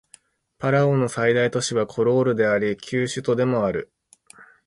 パラオの最大都市はコロールであり旧首都でもある